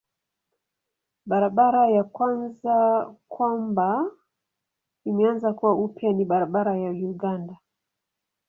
Barabara ya kwanza kwamba imeanza kuwa upya ni barabara ya Uganda.